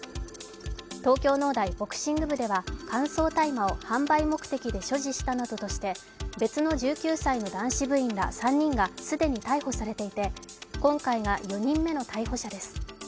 東京農大ボクシング部では、乾燥大麻を販売目的で所持したなどとして、別の１９歳の男子部員ら３人が既に逮捕されていて今回が４人目の逮捕者です。